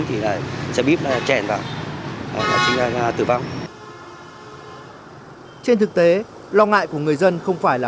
trên thực tế lo ngại của người dân không phải là